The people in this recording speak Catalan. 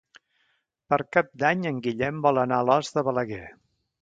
Per Cap d'Any en Guillem vol anar a Alòs de Balaguer.